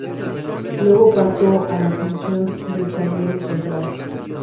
Luego pasó a la función de zaguero central.